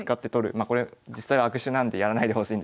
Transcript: まあこれ実際は悪手なんでやらないでほしいんですけど。